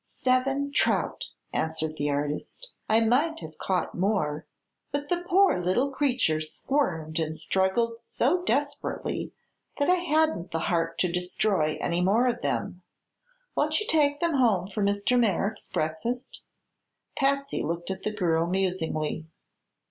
"Seven trout," answered the artist. "I might have caught more, but the poor little creatures squirmed and struggled so desperately that I hadn't the heart to destroy any more of them. Won't you take them home for Mr. Merrick's breakfast?" Patsy looked at the girl musingly.